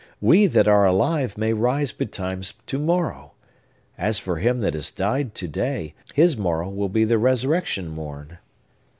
We, that are alive, may rise betimes to morrow. As for him that has died to day, his morrow will be the resurrection morn.